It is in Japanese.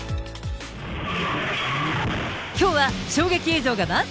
きょうは衝撃映像が満載。